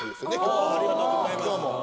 ありがとうございます。